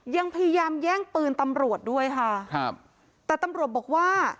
ยังพยายามแย่งปืนตำรวจด้วยค่ะครับแต่ตำรวจบอกว่า